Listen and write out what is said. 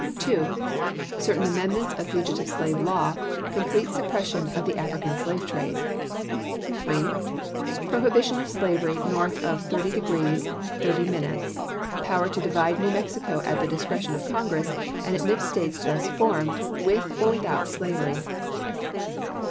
2. Certain amendments of fugitive slave law ; complete suppression of the African slave trade. 3. Prohibition of slavery north of 36° 30' ; power to divide New Mexico at the discretion of Congress, and admit States thus formed, with or without slavery.